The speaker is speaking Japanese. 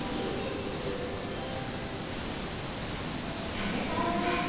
風薫る春。